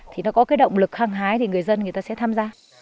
thì nó có cái động lực hăng hái thì người dân người ta sẽ tham gia